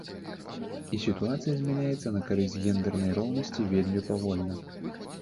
І сітуацыя змяняецца на карысць гендэрнай роўнасці вельмі павольна.